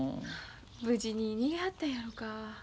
無事に逃げはったんやろか。